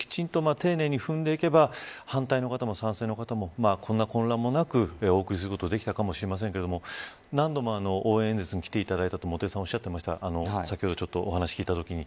確かにそういったプロセスを丁寧に踏んで行けば反対の方も賛成の方もこんな混乱もなくお送りすることができたかもしれませんけども何度も応援演説に来ていただいたと元榮さんおっしゃっていました。